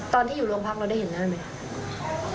ตอนที่อยู่โรงพักเราได้เห็นหน้าไหมคะ